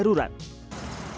untuk evakuasi keadaan darurat